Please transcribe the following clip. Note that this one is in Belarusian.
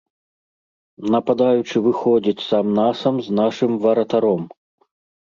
Нападаючы выходзіць сам на сам з нашым варатаром.